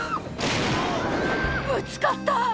ぶつかった！